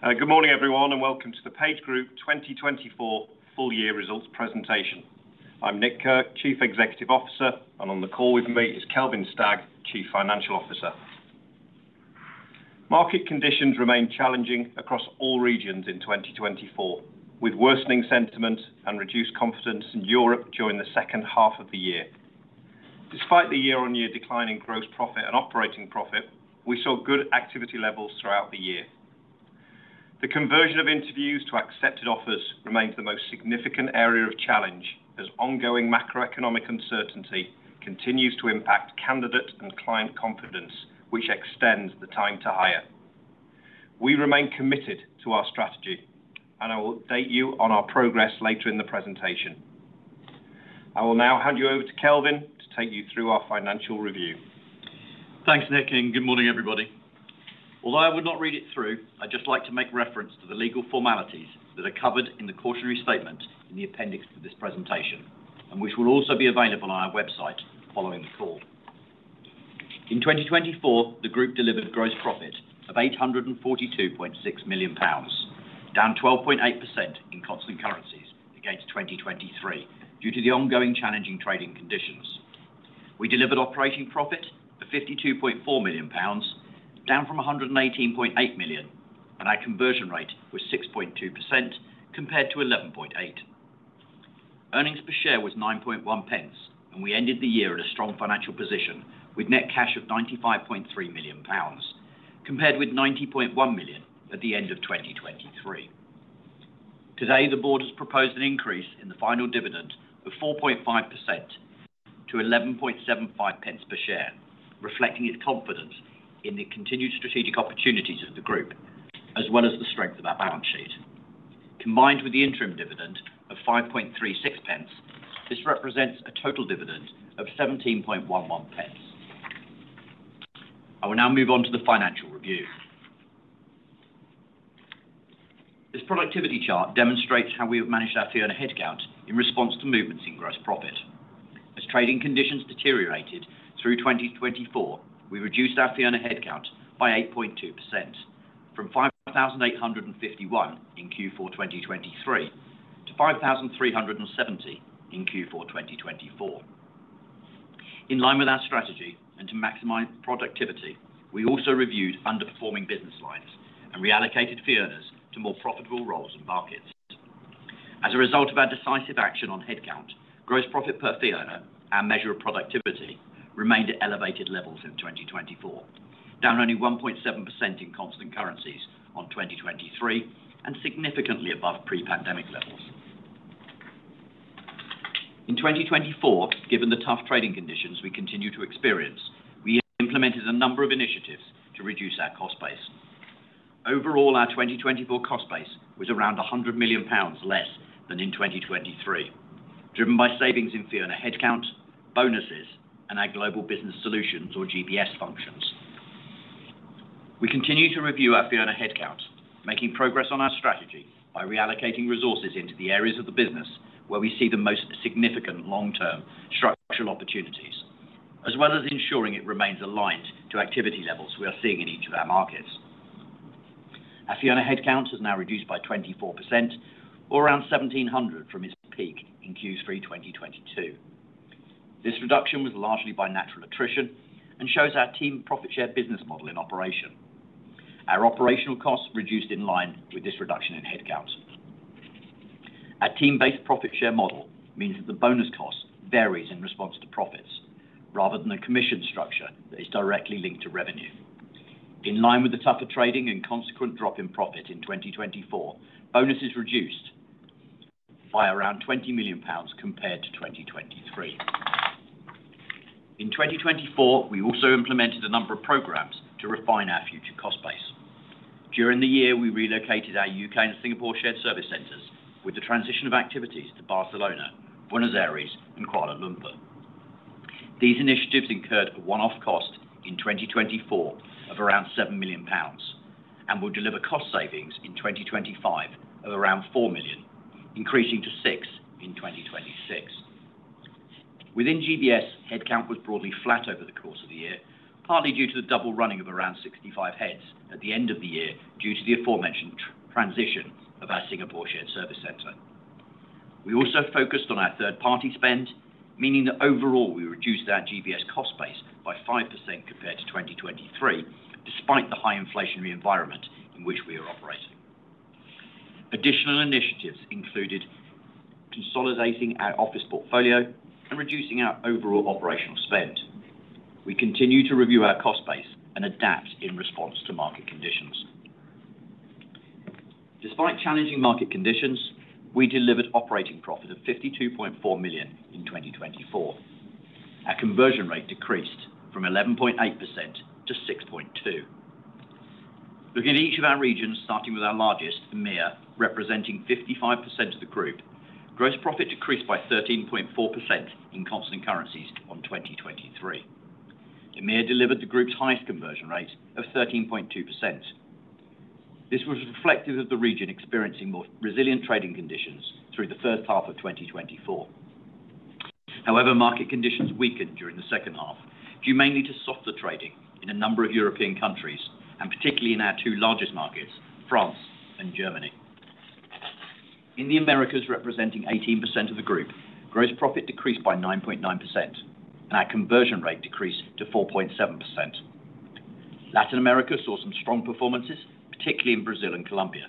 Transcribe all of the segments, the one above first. Good morning, everyone, and welcome to the PageGroup 2024 Full Year Results presentation. I'm Nick Kirk, Chief Executive Officer, and on the call with me is Kelvin Stagg, Chief Financial Officer. Market conditions remain challenging across all regions in 2024, with worsening sentiment and reduced confidence in Europe during the second half of the year. Despite the year-on-year decline in gross profit and operating profit, we saw good activity levels throughout the year. The conversion of interviews to accepted offers remains the most significant area of challenge, as ongoing macroeconomic uncertainty continues to impact candidate and client confidence, which extends the time to hire. We remain committed to our strategy, and I will update you on our progress later in the presentation. I will now hand you over to Kelvin to take you through our financial review. Thanks, Nick, and good morning, everybody. Although I would not read it through, I'd just like to make reference to the legal formalities that are covered in the cautionary statement in the appendix to this presentation, and which will also be available on our website following the call. In 2024, the Group delivered gross profit of 842.6 million pounds, down 12.8% in constant currencies against 2023 due to the ongoing challenging trading conditions. We delivered operating profit of 52.4 million pounds, down from 118.8 million, and our conversion rate was 6.2% compared to 11.8%. Earnings per share was 9.10, and we ended the year in a strong financial position with net cash of 95.3 million pounds, compared with 90.1 million at the end of 2023. Today, the Board has proposed an increase in the final dividend of 4.5% to 11.75 per share, reflecting its confidence in the continued strategic opportunities of the Group, as well as the strength of our balance sheet. Combined with the interim dividend of 5.36%, this represents a total dividend of 17.11. I will now move on to the financial review. This productivity chart demonstrates how we have managed our fee earner headcount in response to movements in gross profit. As trading conditions deteriorated through 2024, we reduced our fee earner headcount by 8.2%, from 5,851 in Q4 2023 to 5,370 in Q4 2024. In line with our strategy and to maximize productivity, we also reviewed underperforming business lines and reallocated fee earners to more profitable roles and markets. As a result of our decisive action on headcount, gross profit per fee earner, our measure of productivity, remained at elevated levels in 2024, down only 1.7% in constant currencies on 2023, and significantly above pre-pandemic levels. In 2024, given the tough trading conditions we continue to experience, we implemented a number of initiatives to reduce our cost base. Overall, our 2024 cost base was around 100 million pounds less than in 2023, driven by savings in fee earner headcount, bonuses, and our global business solutions, or GBS, functions. We continue to review our fee earner headcount, making progress on our strategy by reallocating resources into the areas of the business where we see the most significant long-term structural opportunities, as well as ensuring it remains aligned to activity levels we are seeing in each of our markets. Our fee earner headcount is now reduced by 24%, or around 1,700 from its peak in Q3 2022. This reduction was largely by natural attrition and shows our team profit share business model in operation. Our operational costs reduced in line with this reduction in headcount. Our team-based profit share model means that the bonus cost varies in response to profits, rather than a commission structure that is directly linked to revenue. In line with the tougher trading and consequent drop in profit in 2024, bonuses reduced by around 20 million pounds compared to 2023. In 2024, we also implemented a number of programs to refine our future cost base. During the year, we relocated our U.K. and Singapore shared service centers with the transition of activities to Barcelona, Buenos Aires, and Kuala Lumpur. These initiatives incurred a one-off cost in 2024 of around 7 million pounds and will deliver cost savings in 2025 of around 4 million, increasing to 6 million in 2026. Within GBS, headcount was broadly flat over the course of the year, partly due to the double running of around 65 heads at the end of the year due to the aforementioned transition of our Singapore shared service center. We also focused on our third-party spend, meaning that overall we reduced our GBS cost base by 5% compared to 2023, despite the high inflationary environment in which we are operating. Additional initiatives included consolidating our office portfolio and reducing our overall operational spend. We continue to review our cost base and adapt in response to market conditions. Despite challenging market conditions, we delivered operating profit of 52.4 million in 2024. Our conversion rate decreased from 11.8% to 6.2%. Looking at each of our regions, starting with our largest, EMEA, representing 55% of the Group, gross profit decreased by 13.4% in constant currencies on 2023. EMEA delivered the Group's highest conversion rate of 13.2%. This was reflective of the region experiencing more resilient trading conditions through the first half of 2024. However, market conditions weakened during the second half, due mainly to softer trading in a number of European countries, and particularly in our two largest markets, France and Germany. In the Americas, representing 18% of the Group, gross profit decreased by 9.9%, and our conversion rate decreased to 4.7%. Latin America saw some strong performances, particularly in Brazil and Colombia.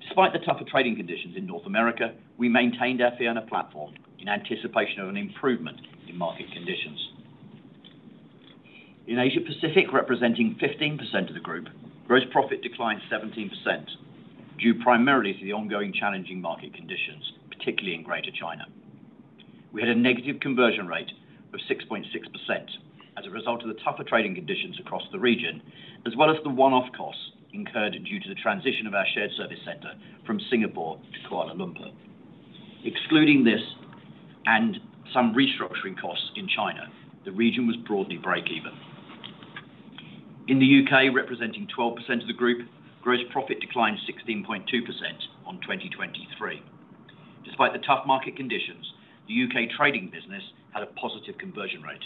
Despite the tougher trading conditions in North America, we maintained our fairness platform in anticipation of an improvement in market conditions. In Asia-Pacific, representing 15% of the Group, gross profit declined 17%, due primarily to the ongoing challenging market conditions, particularly in Greater China. We had a negative conversion rate of 6.6% as a result of the tougher trading conditions across the region, as well as the one-off costs incurred due to the transition of our shared service center from Singapore to Kuala Lumpur. Excluding this and some restructuring costs in China, the region was broadly break-even. In the U.K., representing 12% of the Group, gross profit declined 16.2% on 2023. Despite the tough market conditions, the U.K. trading business had a positive conversion rate.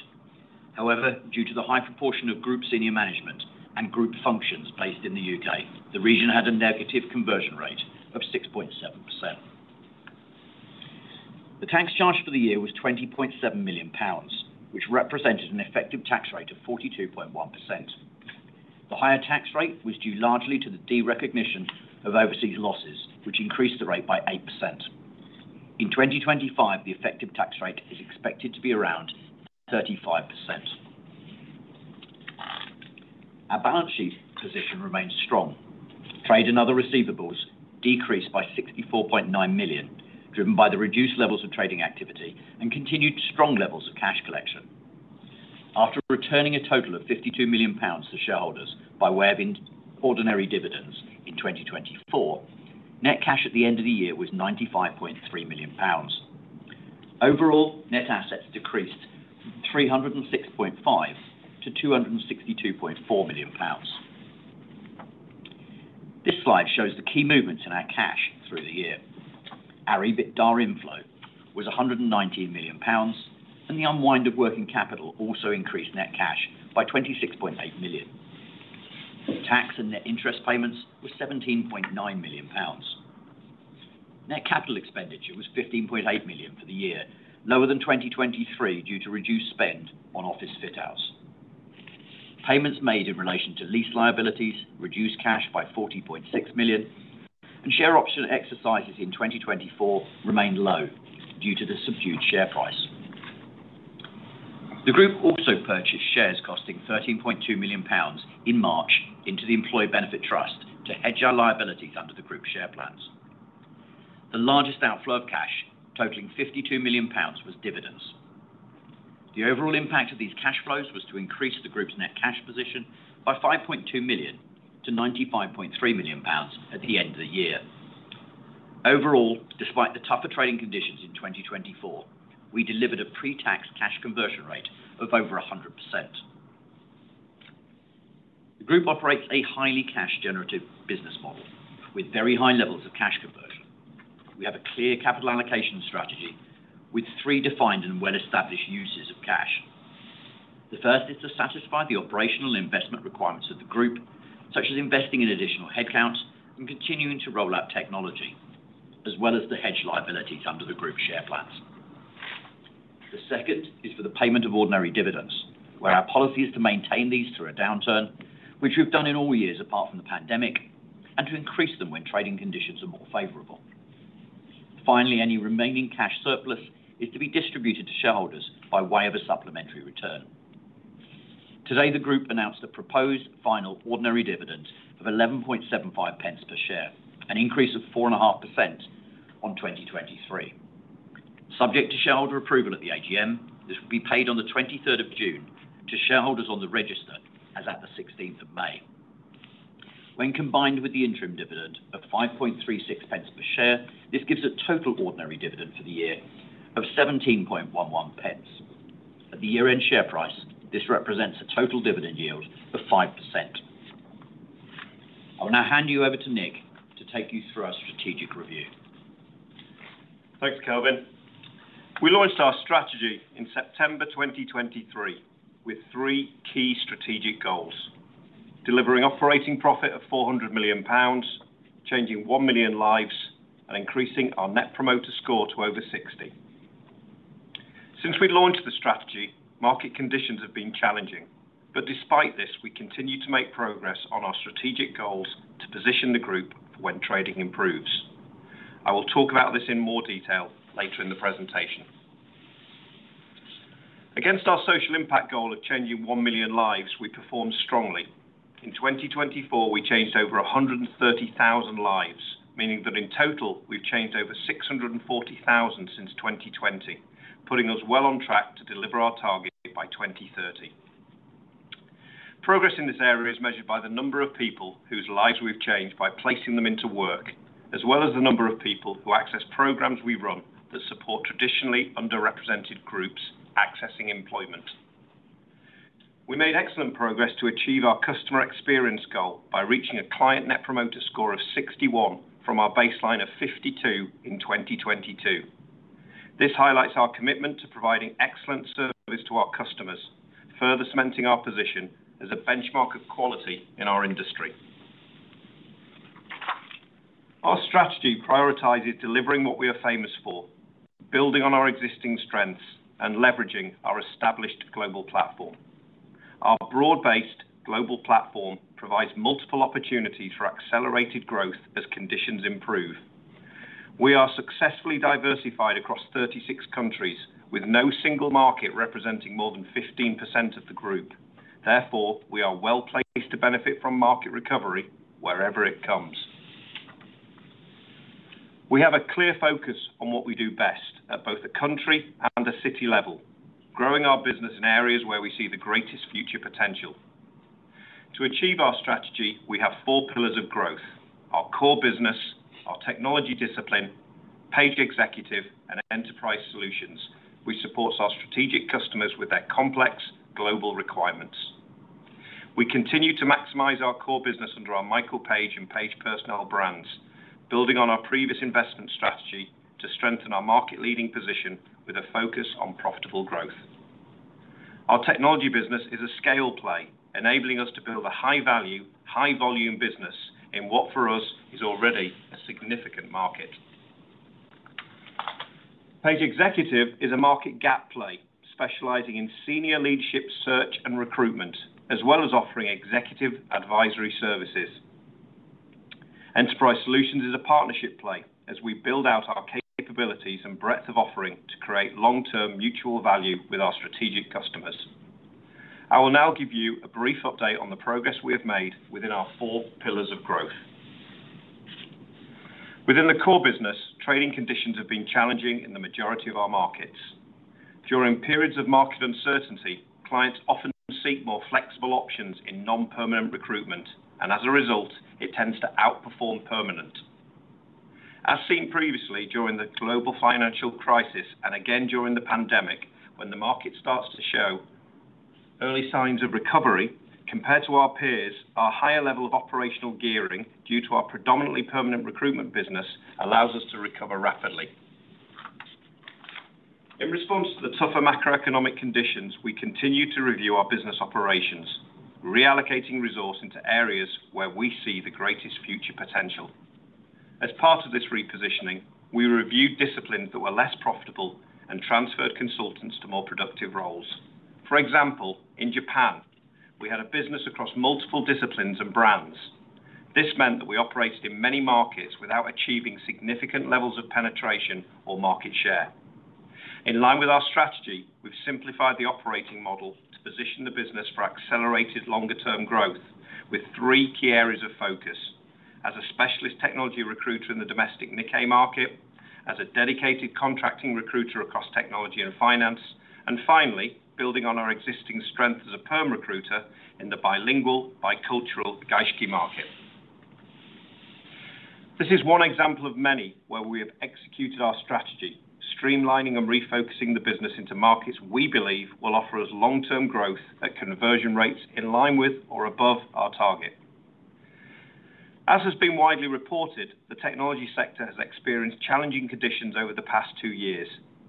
However, due to the high proportion of Group senior management and Group functions based in the U.K., the region had a negative conversion rate of 6.7%. The tax charge for the year was 20.7 million pounds, which represented an effective tax rate of 42.1%. The higher tax rate was due largely to the derecognition of overseas losses, which increased the rate by 8%. In 2025, the effective tax rate is expected to be around 35%. Our balance sheet position remains strong. Trade and other receivables decreased by 64.9 million, driven by the reduced levels of trading activity and continued strong levels of cash collection. After returning a total of 52 million pounds to shareholders by way of ordinary dividends in 2024, net cash at the end of the year was GBP 95.3 million. Overall, net assets decreased from 306.5 million to 262.4 million pounds. This slide shows the key movements in our cash through the year. Our EBITDA inflow was 119 million pounds, and the unwind of working capital also increased net cash by 26.8 million. Tax and net interest payments were 17.9 million pounds. Net capital expenditure was 15.8 million for the year, lower than 2023 due to reduced spend on office fit-outs. Payments made in relation to lease liabilities reduced cash by 40.6 million, and share option exercises in 2024 remained low due to the subdued share price. The Group also purchased shares costing 13.2 million pounds in March into the Employee Benefit Trust to hedge our liabilities under the Group share plans. The largest outflow of cash, totaling 52 million pounds, was dividends. The overall impact of these cash flows was to increase the Group's net cash position by 5.2 million to 95.3 million pounds at the end of the year. Overall, despite the tougher trading conditions in 2024, we delivered a pre-tax cash conversion rate of over 100%. The Group operates a highly cash-generative business model with very high levels of cash conversion. We have a clear capital allocation strategy with three defined and well-established uses of cash. The first is to satisfy the operational investment requirements of the Group, such as investing in additional headcount and continuing to roll out technology, as well as the hedged liabilities under the Group share plans. The second is for the payment of ordinary dividends, where our policy is to maintain these through a downturn, which we've done in all years apart from the pandemic, and to increase them when trading conditions are more favorable. Finally, any remaining cash surplus is to be distributed to shareholders by way of a supplementary return. Today, the Group announced a proposed final ordinary dividend of 11.75 per share, an increase of 4.5% on 2023. Subject to shareholder approval at the AGM, this will be paid on the 23rd of June to shareholders on the register as at the 16th of May. When combined with the interim dividend of 5.36 per share, this gives a total ordinary dividend for the year of 17.11. At the year-end share price, this represents a total dividend yield of 5%. I will now hand you over to Nick to take you through our strategic review. Thanks, Kelvin. We launched our strategy in September 2023 with three key strategic goals: delivering operating profit of 400 million pounds, changing one million lives, and increasing our net promoter score to over 60. Since we launched the strategy, market conditions have been challenging, but despite this, we continue to make progress on our strategic goals to position the Group when trading improves. I will talk about this in more detail later in the presentation. Against our social impact goal of changing one million lives, we performed strongly. In 2024, we changed over 130,000 lives, meaning that in total we've changed over 640,000 since 2020, putting us well on track to deliver our target by 2030. Progress in this area is measured by the number of people whose lives we've changed by placing them into work, as well as the number of people who access programs we run that support traditionally underrepresented groups accessing employment. We made excellent progress to achieve our customer experience goal by reaching a client net promoter score of 61 from our baseline of 52 in 2022. This highlights our commitment to providing excellent service to our customers, further cementing our position as a benchmark of quality in our industry. Our strategy prioritizes delivering what we are famous for, building on our existing strengths, and leveraging our established global platform. Our broad-based global platform provides multiple opportunities for accelerated growth as conditions improve. We are successfully diversified across 36 countries, with no single market representing more than 15% of the Group. Therefore, we are well placed to benefit from market recovery wherever it comes. We have a clear focus on what we do best at both the country and the city level, growing our business in areas where we see the greatest future potential. To achieve our strategy, we have four pillars of growth: our core business, our technology discipline, Page Executive, and Enterprise Solutions, which support our strategic customers with their complex global requirements. We continue to maximize our core business under our Michael Page and Page Personnel brands, building on our previous investment strategy to strengthen our market-leading position with a focus on profitable growth. Our technology business is a scale play, enabling us to build a high-value, high-volume business in what, for us, is already a significant market. Page Executive is a market gap play, specializing in senior leadership search and recruitment, as well as offering executive advisory services. Enterprise Solutions is a partnership play, as we build out our capabilities and breadth of offering to create long-term mutual value with our strategic customers. I will now give you a brief update on the progress we have made within our four pillars of growth. Within the core business, trading conditions have been challenging in the majority of our markets. During periods of market uncertainty, clients often seek more flexible options in non-permanent recruitment, and as a result, it tends to outperform permanent. As seen previously during the global financial crisis and again during the pandemic, when the market starts to show early signs of recovery, compared to our peers, our higher level of operational gearing due to our predominantly permanent recruitment business allows us to recover rapidly. In response to the tougher macroeconomic conditions, we continue to review our business operations, reallocating resources into areas where we see the greatest future potential. As part of this repositioning, we reviewed disciplines that were less profitable and transferred consultants to more productive roles. For example, in Japan, we had a business across multiple disciplines and brands. This meant that we operated in many markets without achieving significant levels of penetration or market share. In line with our strategy, we've simplified the operating model to position the business for accelerated longer-term growth, with three key areas of focus: as a specialist technology recruiter in the domestic Nikkei market, as a dedicated contracting recruiter across technology and finance, and finally, building on our existing strength as a perm recruiter in the bilingual, bicultural Gaishikei market. This is one example of many where we have executed our strategy, streamlining and refocusing the business into markets we believe will offer us long-term growth at conversion rates in line with or above our target. As has been widely reported, the technology sector has experienced challenging conditions over the past two years.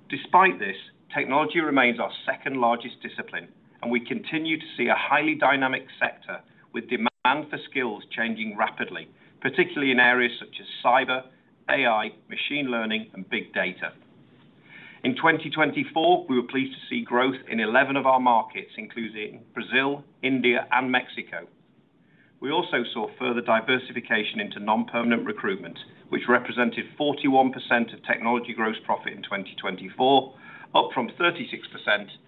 Despite this, technology remains our second-largest discipline, and we continue to see a highly dynamic sector with demand for skills changing rapidly, particularly in areas such as cyber, AI, machine learning, and big data. In 2024, we were pleased to see growth in 11 of our markets, including Brazil, India, and Mexico. We also saw further diversification into non-permanent recruitment, which represented 41% of technology gross profit in 2024, up from 36%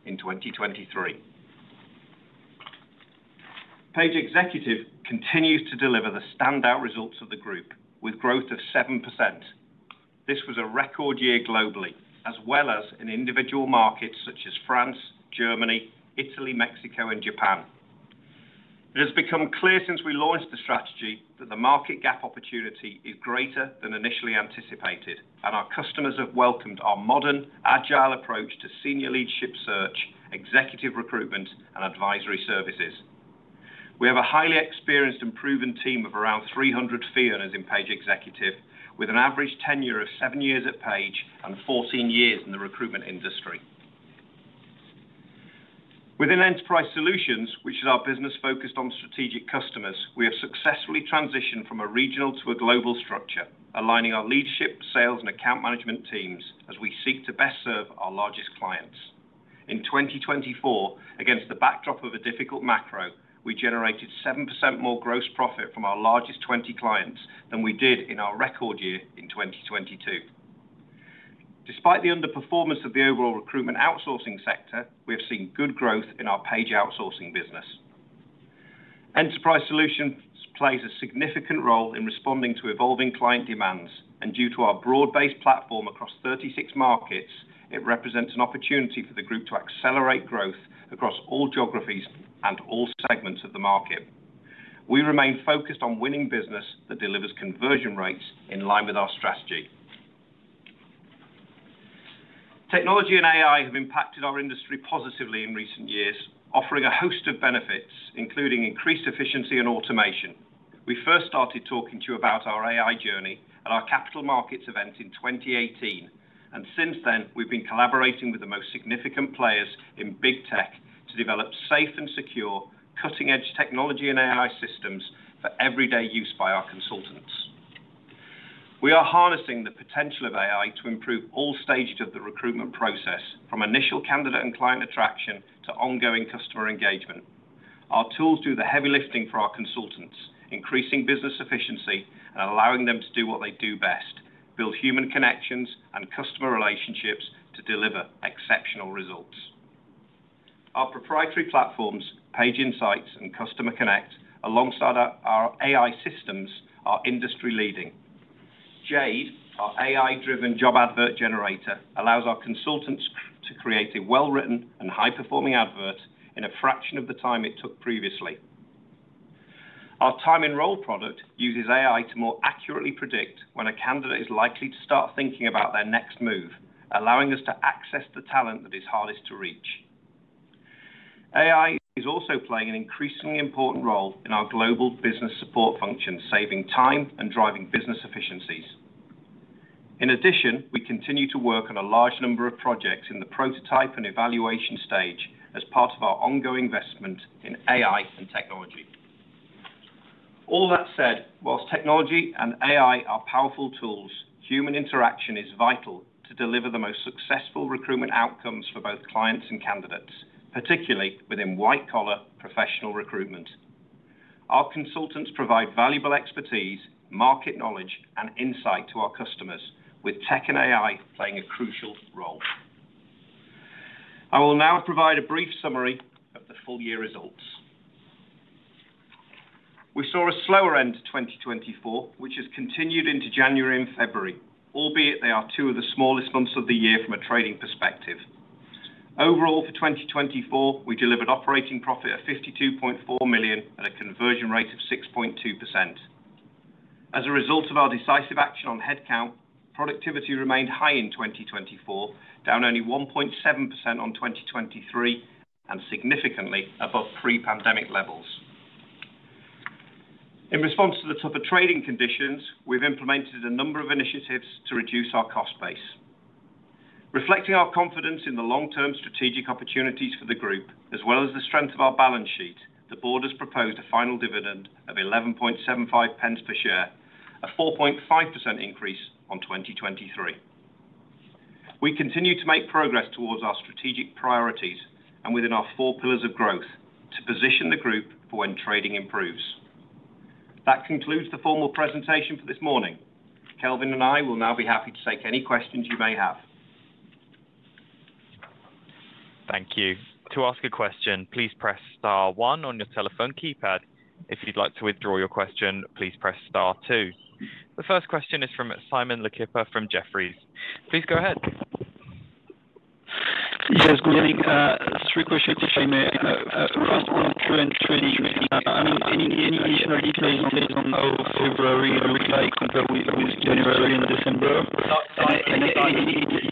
in 2023. Page Executive continues to deliver the standout results of the Group, with growth of 7%. This was a record year globally, as well as in individual markets such as France, Germany, Italy, Mexico, and Japan. It has become clear since we launched the strategy that the market gap opportunity is greater than initially anticipated, and our customers have welcomed our modern, agile approach to senior leadership search, executive recruitment, and advisory services. We have a highly experienced and proven team of around 300 fee earners in Page Executive, with an average tenure of seven years at Page and 14 years in the recruitment industry. Within Enterprise Solutions, which is our business focused on strategic customers, we have successfully transitioned from a regional to a global structure, aligning our leadership, sales, and account management teams as we seek to best serve our largest clients. In 2024, against the backdrop of a difficult macro, we generated 7% more gross profit from our largest 20 clients than we did in our record year in 2022. Despite the underperformance of the overall recruitment outsourcing sector, we have seen good growth in our Page Outsourcing business. Enterprise Solutions plays a significant role in responding to evolving client demands, and due to our broad-based platform across 36 markets, it represents an opportunity for the Group to accelerate growth across all geographies and all segments of the market. We remain focused on winning business that delivers conversion rates in line with our strategy. Technology and AI have impacted our industry positively in recent years, offering a host of benefits, including increased efficiency and automation. We first started talking to you about our AI journey at our capital markets event in 2018, and since then, we've been collaborating with the most significant players in big tech to develop safe and secure, cutting-edge technology and AI systems for everyday use by our consultants. We are harnessing the potential of AI to improve all stages of the recruitment process, from initial candidate and client attraction to ongoing customer engagement. Our tools do the heavy lifting for our consultants, increasing business efficiency and allowing them to do what they do best: build human connections and customer relationships to deliver exceptional results. Our proprietary platforms, Page Insights and Customer Connect, alongside our AI systems, are industry-leading. JADE, our AI-driven job advert generator, allows our consultants to create a well-written and high-performing advert in a fraction of the time it took previously. Our Time-in-Role product uses AI to more accurately predict when a candidate is likely to start thinking about their next move, allowing us to access the talent that is hardest to reach. AI is also playing an increasingly important role in our global business support function, saving time and driving business efficiencies. In addition, we continue to work on a large number of projects in the prototype and evaluation stage as part of our ongoing investment in AI and technology. All that said, whilst technology and AI are powerful tools, human interaction is vital to deliver the most successful recruitment outcomes for both clients and candidates, particularly within white-collar professional recruitment. Our consultants provide valuable expertise, market knowledge, and insight to our customers, with tech and AI playing a crucial role. I will now provide a brief summary of the full year results. We saw a slower end to 2024, which has continued into January and February, albeit they are two of the smallest months of the year from a trading perspective. Overall, for 2024, we delivered operating profit of 52.4 million and a conversion rate of 6.2%. As a result of our decisive action on headcount, productivity remained high in 2024, down only 1.7% on 2023, and significantly above pre-pandemic levels. In response to the tougher trading conditions, we've implemented a number of initiatives to reduce our cost base. Reflecting our confidence in the long-term strategic opportunities for the Group, as well as the strength of our balance sheet, the Board has proposed a final dividend of 11.75 per share, a 4.5% increase on 2023. We continue to make progress towards our strategic priorities and within our four pillars of growth to position the Group for when trading improves. That concludes the formal presentation for this morning. Kelvin and I will now be happy to take any questions you may have. Thank you. To ask a question, please press star one on your telephone keypad. If you'd like to withdraw your question, please press star two. The first question is from Simon Lechipre from Jefferies. Please go ahead. Yes, good evening. Three questions to share with me. First one, training. Any additional details on overall recall compared with January and December? Sorry,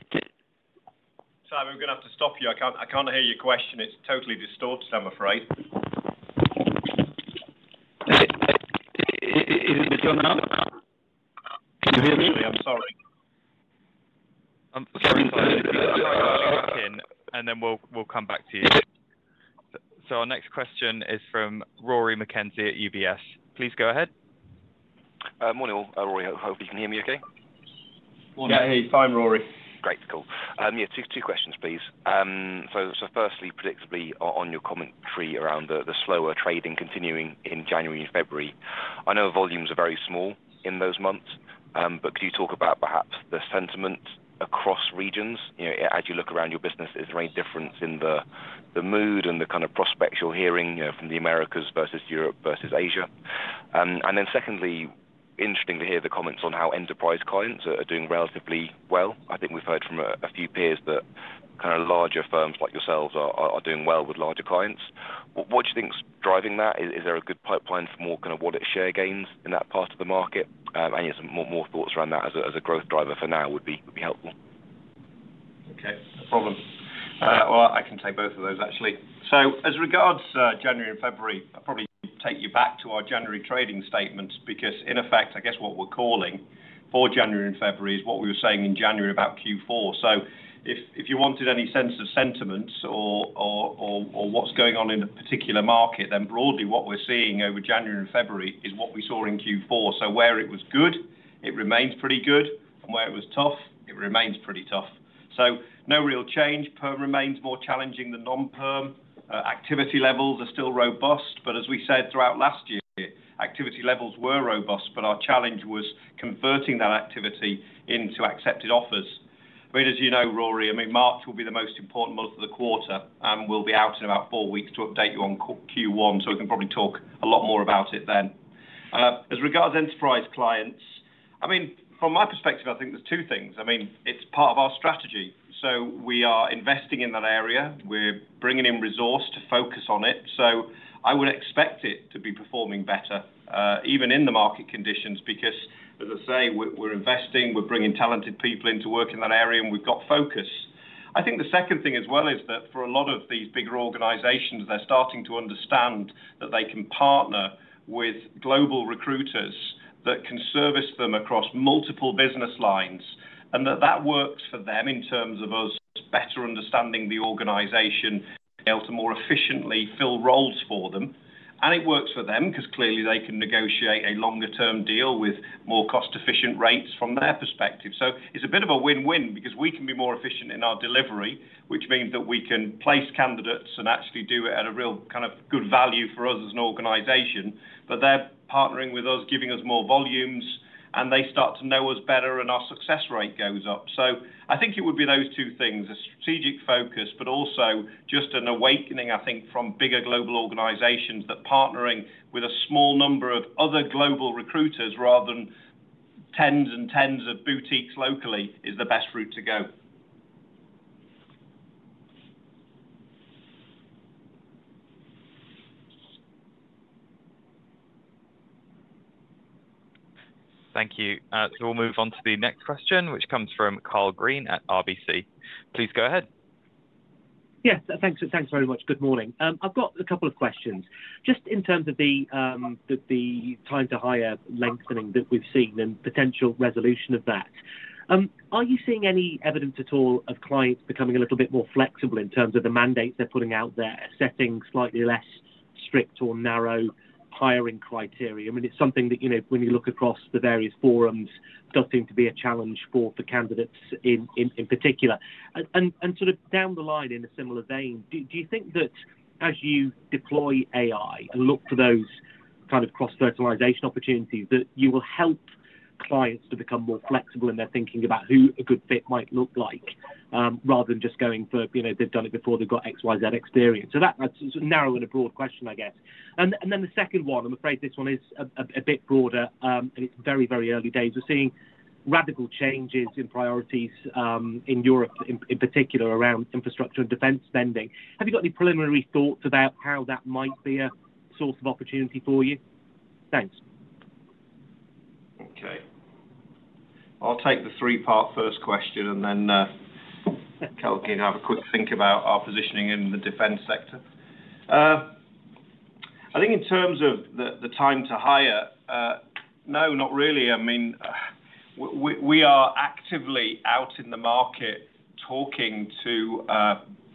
we're going to have to stop you. I can't hear your question. It's totally distorted, I'm afraid. Can you hear me? We'll come back to you. Our next question is from Rory McKenzie at UBS. Please go ahead. Morning, Rory. Hopefully, you can hear me okay. Yeah, he's fine, Rory. Great, cool. Yeah, two questions, please. Firstly, predictably on your commentary around the slower trading continuing in January and February, I know volumes are very small in those months, but could you talk about perhaps the sentiment across regions? As you look around your business, is there any difference in the mood and the kind of prospects you're hearing from the Americas versus Europe versus Asia? Secondly, interesting to hear the comments on how enterprise clients are doing relatively well. I think we've heard from a few peers that kind of larger firms like yourselves are doing well with larger clients. What do you think's driving that? Is there a good pipeline for more kind of wallet share gains in that part of the market? Any more thoughts around that as a growth driver for now would be helpful. Okay, no problem. I can take both of those, actually. As regards January and February, I'll probably take you back to our January trading statements because, in effect, I guess what we're calling for January and February is what we were saying in January about Q4. If you wanted any sense of sentiments or what's going on in a particular market, then broadly, what we're seeing over January and February is what we saw in Q4. Where it was good, it remains pretty good. Where it was tough, it remains pretty tough. No real change. Perm remains more challenging than non-perm. Activity levels are still robust, but as we said throughout last year, activity levels were robust, but our challenge was converting that activity into accepted offers. I mean, as you know, Rory, I mean, March will be the most important month of the quarter, and we'll be out in about four weeks to update you on Q1, so we can probably talk a lot more about it then. As regards enterprise clients, I mean, from my perspective, I think there's two things. I mean, it's part of our strategy, so we are investing in that area. We're bringing in resource to focus on it. I would expect it to be performing better, even in the market conditions, because, as I say, we're investing, we're bringing talented people into work in that area, and we've got focus. I think the second thing as well is that for a lot of these bigger organizations, they're starting to understand that they can partner with global recruiters that can service them across multiple business lines, and that that works for them in terms of us better understanding the organization, being able to more efficiently fill roles for them. It works for them because clearly they can negotiate a longer-term deal with more cost-efficient rates from their perspective. It is a bit of a win-win because we can be more efficient in our delivery, which means that we can place candidates and actually do it at a real kind of good value for us as an organization, but they're partnering with us, giving us more volumes, and they start to know us better, and our success rate goes up. I think it would be those two things: a strategic focus, but also just an awakening, I think, from bigger global organizations that partnering with a small number of other global recruiters rather than tens and tens of boutiques locally is the best route to go. Thank you. We'll move on to the next question, which comes from Karl Green at RBC. Please go ahead. Yes, thanks very much. Good morning. I've got a couple of questions. Just in terms of the time-to-hire lengthening that we've seen and potential resolution of that, are you seeing any evidence at all of clients becoming a little bit more flexible in terms of the mandates they're putting out there, setting slightly less strict or narrow hiring criteria? I mean, it's something that when you look across the various forums, does seem to be a challenge for candidates in particular. Sort of down the line in a similar vein, do you think that as you deploy AI and look for those kind of cross-fertilization opportunities that you will help clients to become more flexible in their thinking about who a good fit might look like, rather than just going for, they've done it before, they've got XYZ experience? That is a narrow and a broad question, I guess. The second one, I'm afraid this one is a bit broader, and it's very, very early days. We're seeing radical changes in priorities in Europe, in particular around infrastructure and defense spending. Have you got any preliminary thoughts about how that might be a source of opportunity for you? Thanks. Okay. I'll take the three-part first question and then Kelvin can have a quick think about our positioning in the defense sector. I think in terms of the time-to-hire, no, not really. I mean, we are actively out in the market talking to,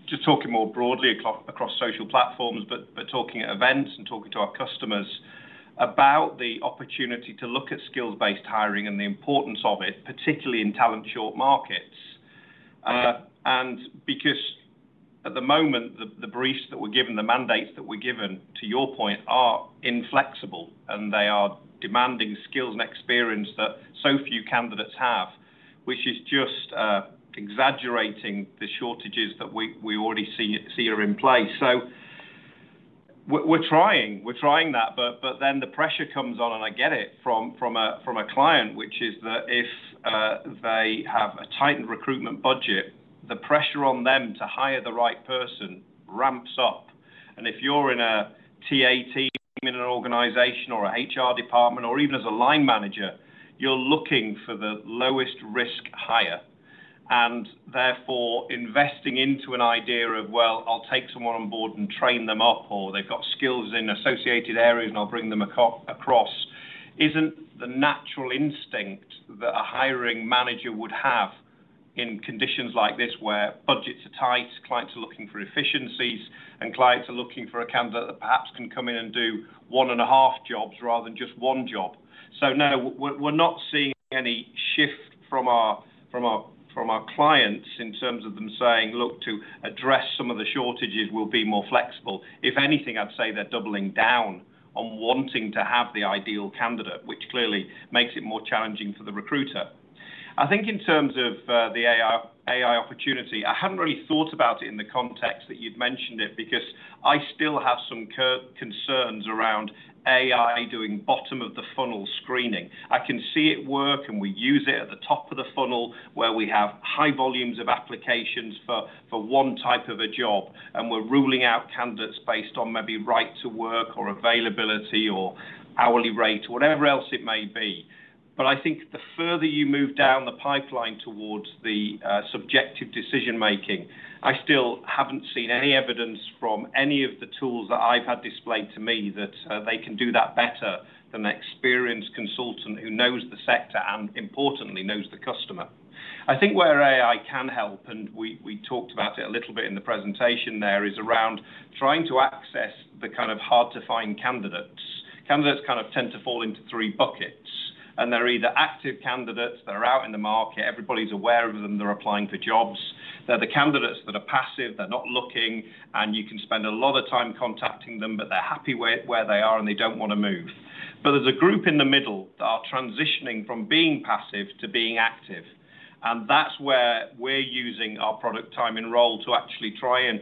just talking more broadly across social platforms, but talking at events and talking to our customers about the opportunity to look at skills-based hiring and the importance of it, particularly in talent-short markets. Because at the moment, the briefs that we're given, the mandates that we're given, to your point, are inflexible, and they are demanding skills and experience that so few candidates have, which is just exaggerating the shortages that we already see are in place. We are trying. We're trying that, but then the pressure comes on, and I get it, from a client, which is that if they have a tightened recruitment budget, the pressure on them to hire the right person ramps up. If you're in a TA team in an organization or a HR department, or even as a line manager, you're looking for the lowest risk hire. Therefore, investing into an idea of, well, I'll take someone on board and train them up, or they've got skills in associated areas, and I'll bring them across, isn't the natural instinct that a hiring manager would have in conditions like this where budgets are tight, clients are looking for efficiencies, and clients are looking for a candidate that perhaps can come in and do one and a half jobs rather than just one job. No, we're not seeing any shift from our clients in terms of them saying, "Look, to address some of the shortages, we'll be more flexible." If anything, I'd say they're doubling down on wanting to have the ideal candidate, which clearly makes it more challenging for the recruiter. I think in terms of the AI opportunity, I hadn't really thought about it in the context that you'd mentioned it because I still have some concerns around AI doing bottom-of-the-funnel screening. I can see it work, and we use it at the top of the funnel where we have high volumes of applications for one type of a job, and we're ruling out candidates based on maybe right-to-work or availability or hourly rate or whatever else it may be. I think the further you move down the pipeline towards the subjective decision-making, I still haven't seen any evidence from any of the tools that I've had displayed to me that they can do that better than an experienced consultant who knows the sector and, importantly, knows the customer. I think where AI can help, and we talked about it a little bit in the presentation there, is around trying to access the kind of hard-to-find candidates. Candidates kind of tend to fall into three buckets, and they're either active candidates, they're out in the market, everybody's aware of them, they're applying for jobs, they're the candidates that are passive, they're not looking, and you can spend a lot of time contacting them, but they're happy where they are and they don't want to move. There is a group in the middle that are transitioning from being passive to being active, and that's where we're using our product Time-in-Role to actually try and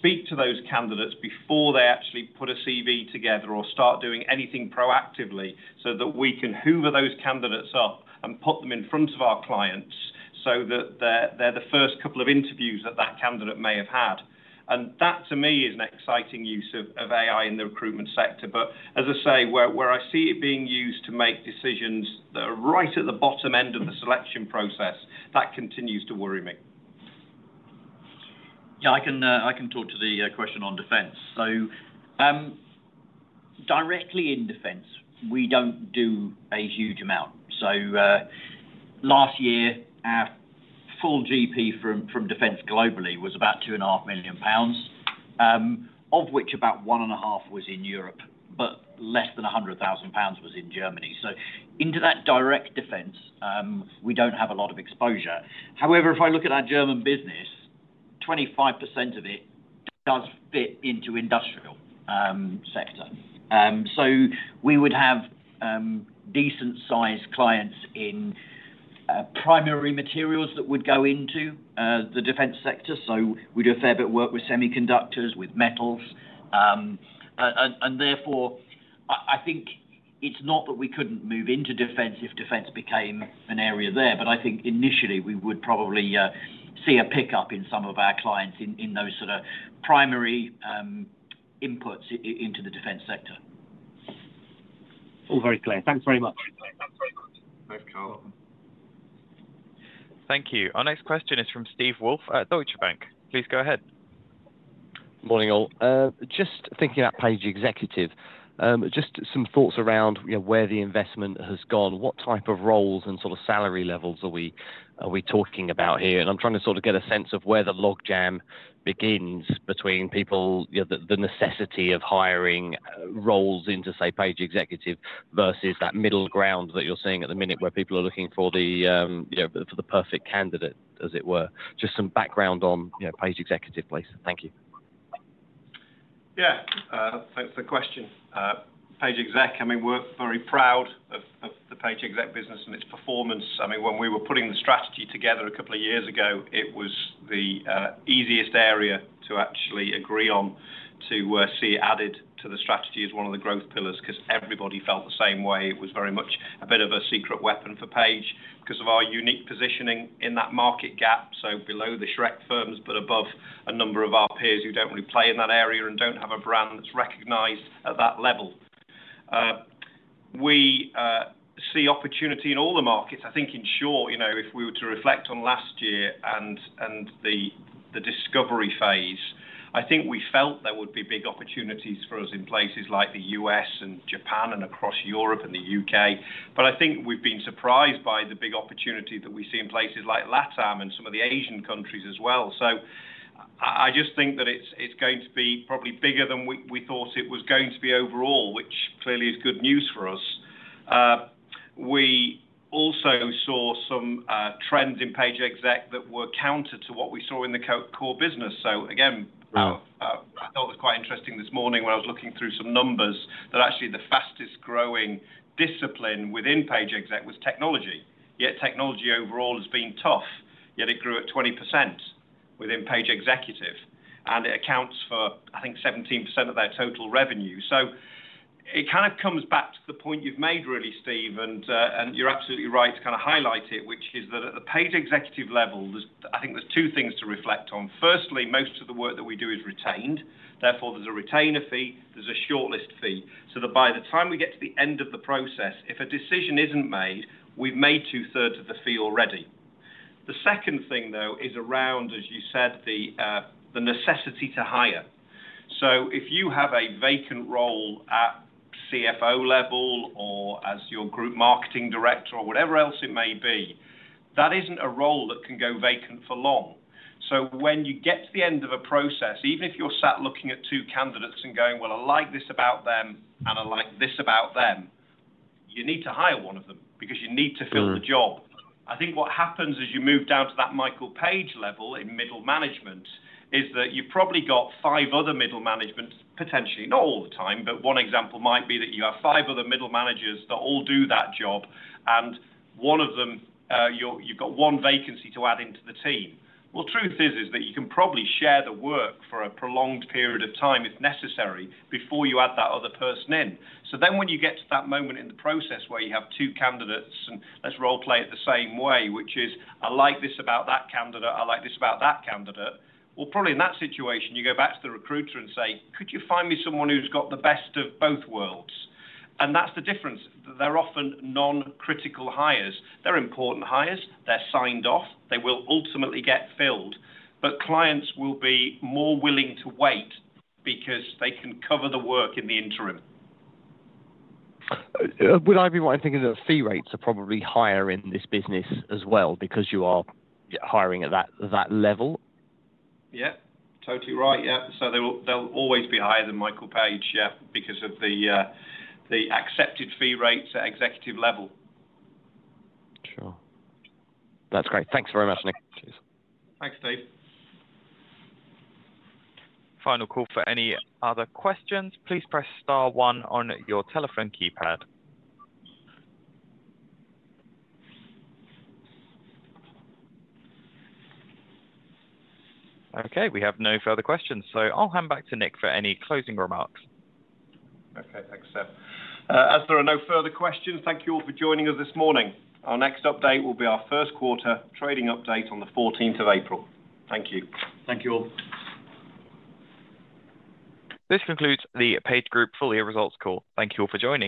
speak to those candidates before they actually put a CV together or start doing anything proactively so that we can hoover those candidates up and put them in front of our clients so that they're the first couple of interviews that that candidate may have had. That, to me, is an exciting use of AI in the recruitment sector. As I say, where I see it being used to make decisions that are right at the bottom end of the selection process, that continues to worry me. Yeah, I can talk to the question on defense. Directly in defense, we do not do a huge amount. Last year, our full GP from defense globally was about 2.5 million pounds, of which about 1.5 million was in Europe, but less than 100,000 pounds was in Germany. Into that direct defense, we do not have a lot of exposure. However, if I look at our German business, 25% of it does fit into the industrial sector. We would have decent-sized clients in primary materials that would go into the defense sector. We do a fair bit of work with semiconductors, with metals. Therefore, I think it is not that we could not move into defense if defense became an area there, but I think initially we would probably see a pickup in some of our clients in those sort of primary inputs into the defense sector. All very clear. Thanks very much. Thanks, Karl. Thank you. Our next question is from Stefan Wolf at Deutsche Bank. Please go ahead. Morning, all. Just thinking about Page Executive, just some thoughts around where the investment has gone. What type of roles and sort of salary levels are we talking about here? I'm trying to sort of get a sense of where the log jam begins between people, the necessity of hiring roles into, say, Page Executive versus that middle ground that you're seeing at the minute where people are looking for the perfect candidate, as it were. Just some background on Page Executive, please. Thank you. Yeah, thanks for the question. Page Exec, I mean, we're very proud of the Page Exec business and its performance. I mean, when we were putting the strategy together a couple of years ago, it was the easiest area to actually agree on to see added to the strategy as one of the growth pillars because everybody felt the same way. It was very much a bit of a secret weapon for Page because of our unique positioning in that market gap, so below the SHREK firms, but above a number of our peers who do not really play in that area and do not have a brand that is recognized at that level. We see opportunity in all the markets. I think in short, if we were to reflect on last year and the discovery phase, I think we felt there would be big opportunities for us in places like the U.S. and Japan and across Europe and the U.K. I think we've been surprised by the big opportunity that we see in places like LATAM and some of the Asian countries as well. I just think that it's going to be probably bigger than we thought it was going to be overall, which clearly is good news for us. We also saw some trends in Page Exec that were counter to what we saw in the core business. I thought it was quite interesting this morning when I was looking through some numbers that actually the fastest growing discipline within Page Exec was technology. Yet technology overall has been tough, yet it grew at 20% within Page Executive, and it accounts for, I think, 17% of their total revenue. It kind of comes back to the point you've made, really, Stefan, and you're absolutely right to kind of highlight it, which is that at the Page Executive level, I think there's two things to reflect on. Firstly, most of the work that we do is retained. Therefore, there's a retainer fee, there's a shortlist fee. By the time we get to the end of the process, if a decision isn't made, we've made two-thirds of the fee already. The second thing, though, is around, as you said, the necessity to hire. If you have a vacant role at CFO level or as your group marketing director or whatever else it may be, that isn't a role that can go vacant for long. When you get to the end of a process, even if you're sat looking at two candidates and going, "Well, I like this about them and I like this about them," you need to hire one of them because you need to fill the job. I think what happens as you move down to that Michael Page level in middle management is that you've probably got five other middle management, potentially, not all the time, but one example might be that you have five other middle managers that all do that job, and one of them, you've got one vacancy to add into the team. The truth is that you can probably share the work for a prolonged period of time, if necessary, before you add that other person in. Then when you get to that moment in the process where you have two candidates and let's role-play it the same way, which is, "I like this about that candidate, I like this about that candidate," probably in that situation, you go back to the recruiter and say, "Could you find me someone who's got the best of both worlds?" That's the difference. They're often non-critical hires. They're important hires. They're signed off. They will ultimately get filled. Clients will be more willing to wait because they can cover the work in the interim. Would I be right in thinking that fee rates are probably higher in this business as well because you are hiring at that level? Yeah. Totally right. Yeah. They'll always be higher than Michael Page because of the accepted fee rates at executive level. Sure. That's great. Thanks very much, Nick. Cheers. Thanks, Stefan. Final call for any other questions. Please press star one on your telephone keypad. Okay. We have no further questions. I will hand back to Nick for any closing remarks. Okay. Thanks, Stefan. As there are no further questions, thank you all for joining us this morning. Our next update will be our first quarter trading update on the 14th of April. Thank you. Thank you all. This concludes the PageGroup Full Year Results call. Thank you all for joining.